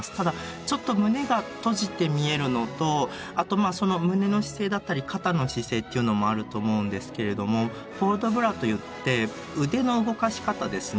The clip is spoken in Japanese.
ただちょっと胸が閉じて見えるのとあとまあその胸の姿勢だったり肩の姿勢っていうのもあると思うんですけれども「ポール・ド・ブラ」といって腕の動かし方ですね。